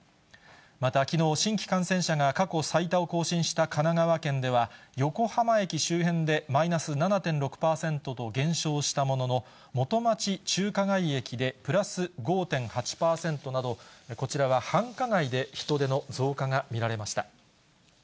またきのう、新規感染者が過去最多を更新した神奈川県では、横浜駅周辺でマイナス７．６％と減少したものの、元町・中華街駅でプラス５．８％など、こちらは繁華街で人出の増加が見られました。